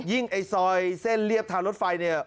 ไอ้ซอยเส้นเรียบทางรถไฟเนี่ย